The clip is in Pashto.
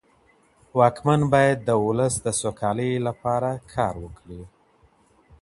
واکمن بايد د ولس د سوکالۍ له پاره کار وکړي.